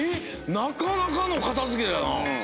なかなかの片付けやな。